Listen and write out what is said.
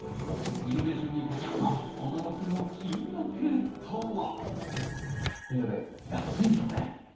リノベーションにかかった驚きの金額とは？